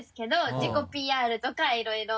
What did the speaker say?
自己ＰＲとかいろいろ。